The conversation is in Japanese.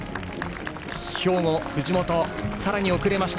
兵庫、藤本はさらに遅れました。